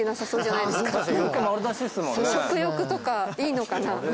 食欲とかいいのかな。